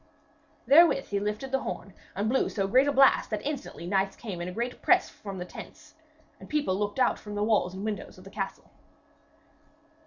Therewith he lifted the horn and blew so great a blast that instantly knights came in a great press from the tents, and people looked out from the walls and windows of the castle.